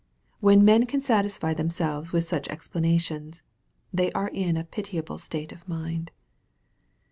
When men can satisfy themselves with such explanations, they are in a pitiable state of mind.